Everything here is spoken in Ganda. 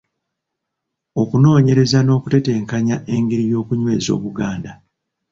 Okunoonyereza n'okuteteenkanya engeri y'okunyweza Obuganda.